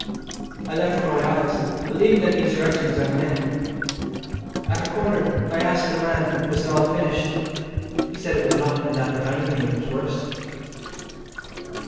I left for my office, believing that the insurrection was at an end. At a corner I asked a man was it all finished. He said it was not, and that, if anything, it was worse.